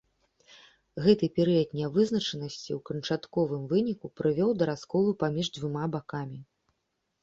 Гэты перыяд нявызначанасці ў канчатковым выніку прывёў да расколу паміж дзвюма бакамі.